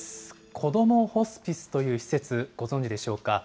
こどもホスピスという施設、ご存じでしょうか。